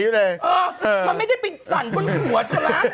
เออมันไม่ได้ไปสั่งบนหัวเท่าไร